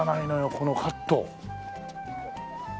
このカット。ねえ。